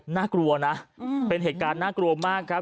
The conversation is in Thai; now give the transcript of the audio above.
น่ากลัวนะเป็นเหตุการณ์น่ากลัวมากครับ